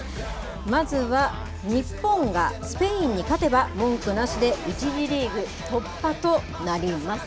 まずは、日本がスペインに勝てば、文句なしで１次リーグ突破となります。